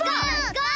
ゴー！